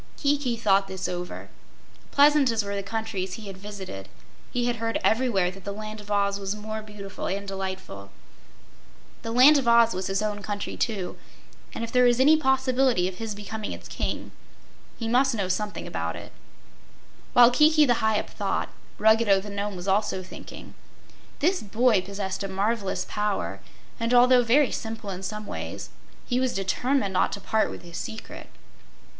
Kiki thought this over. Pleasant as were the countries he had visited, he heard everywhere that the Land of Oz was more beautiful and delightful. The Land of Oz was his own country, too, and if there was any possibility of his becoming its King, he must know something about it. While Kiki the Hyup thought, Ruggedo the Nome was also thinking. This boy possessed a marvelous power, and although very simple in some ways, he was determined not to part with his secret.